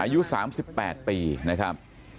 อายุ๓๘ปีนะครับ